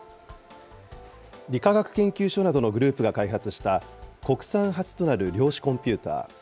理化学研究所などのグループが開発した国産初となる量子コンピューター。